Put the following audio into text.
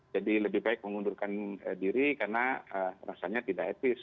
jadi lebih baik mengundurkan diri karena rasanya tidak etis